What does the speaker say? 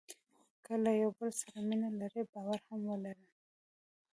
که له یو بل سره مینه لرئ باور هم ولرئ.